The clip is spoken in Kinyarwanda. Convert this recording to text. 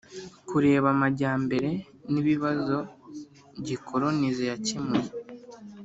- kureba amajyambere n'ibibazo gikolonize yakemuye